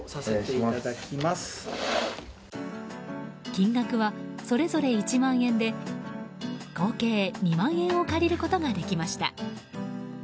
金額はそれぞれ１万円で合計２万円を借りることができました。